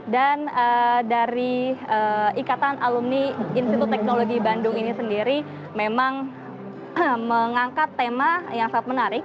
dan dari ikatan alumni institut teknologi bandung ini sendiri memang mengangkat tema yang sangat menarik